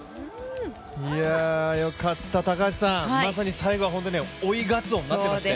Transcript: よかった、まさに最後は追いガツオになってましたよね。